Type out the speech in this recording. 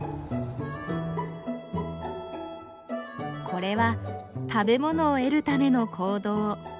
これは食べ物を得るための行動。